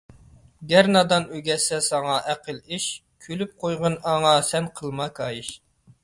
گەر نادان ئۆگەتسە ساڭا ئەقىل – ئىش، كۈلۈپ قويغىن ئاڭا سەن قىلما كايىش.